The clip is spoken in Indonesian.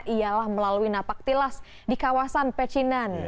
ialah melalui napaktilas di kawasan pecinan